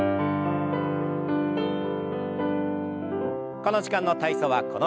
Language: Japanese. この時間の体操はこの辺で。